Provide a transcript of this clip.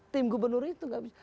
tim gubernur itu gak bisa